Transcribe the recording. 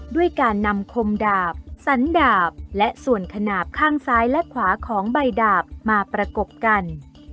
ด้วยการนำคมดาบสันดาบและส่วนขนาดข้างซ้ายและขวาของใบดาบมาประกบกัน